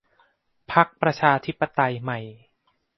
พรรคประชาธิปไตยใหม่